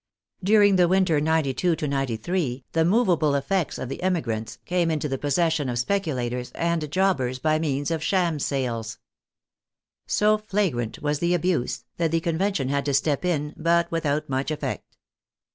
During the winter '92 3 the movable effects of the " emigrants " came into the possession of speculators and jobbers by means of sham sales. So fla grant was the abuse, that the Convention had to step in, but without much effect.